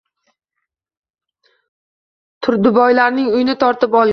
Turdiboylarning uyini tortib olgan